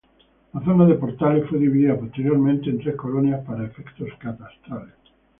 La zona de Portales fue dividida posteriormente en tres colonias para efectos catastrales.